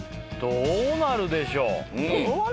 どうなるでしょう？